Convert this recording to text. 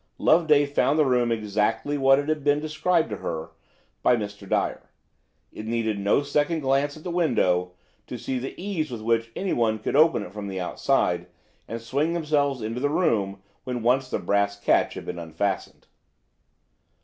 Loveday found the room exactly what it had been described to her by Mr. Dyer. It needed no second glance at the window to see the ease with which anyone could open it from the outside, and swing themselves into the room, when once the brass catch had been unfastened.